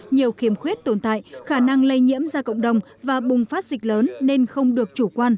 nhiều khiếm khuyết tồn tại khả năng lây nhiễm ra cộng đồng và bùng phát dịch lớn nên không được chủ quan